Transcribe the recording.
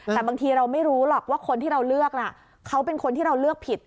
แต่บางทีเราไม่รู้หรอกว่าคนที่เราเลือกน่ะเขาเป็นคนที่เราเลือกผิด